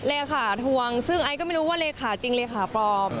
เรขาทวงซึ่งอายก็ไม่รู้ว่าเรขาจริงเรขาพร้อม